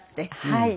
はい。